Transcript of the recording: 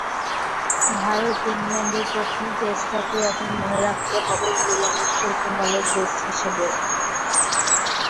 ভারত-ইংল্যান্ডের প্রথম টেস্টটাকে এখন মনে রাখতে হবে ভুবনেশ্বর কুমারের টেস্ট হিসেবেও।